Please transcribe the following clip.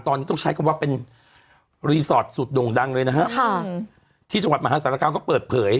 ตอนนี้ต้องใช้คำว่าเป็นรีสอร์ทสุดโด่งดังเลยนะฮะค่ะที่จังหวัดมหาสารคามก็เปิดเผย